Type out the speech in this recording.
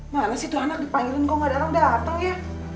mana sih tuh anak dipanggilin kok gak ada orang datang ya